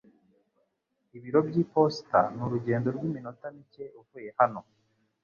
Ibiro by'iposita ni urugendo rw'iminota mike uvuye hano